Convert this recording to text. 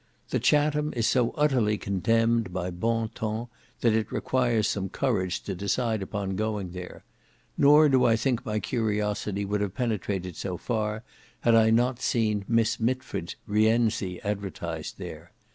The Chatham is so utterly condemned by bon ton, that it requires some courage to decide upon going there; nor do I think my curiosity would have penetrated so far, had I not seen Miss Mitford's Rienzi advertised there.